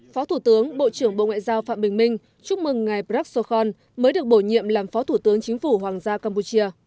phó thủ tướng bộ trưởng bộ ngoại giao phạm bình minh chúc mừng ngày prat sokhon mới được bổ nhiệm làm phó thủ tướng chính phủ hoàng gia campuchia